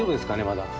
まだ。